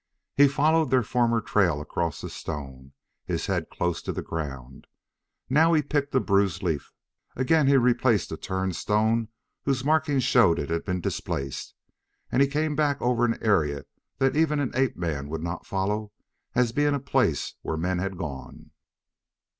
He followed their former trail across the stone, his head close to the ground. Now he picked a bruised leaf: again he replaced a turned stone whose markings showed it had been displaced, and he came back over an area that even an ape man would not follow as being a place where men had gone.